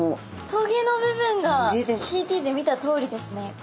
棘の部分がＣＴで見たとおりですね。